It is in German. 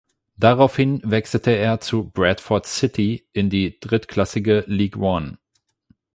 Daraufhin wechselte er zu Bradford City in die drittklassige League One.